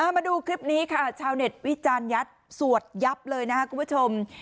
มาดูคลิปนี้ค่ะเช้าเน็ตวิจารยัตริย์สวดยับนะคะคุณผู้ชม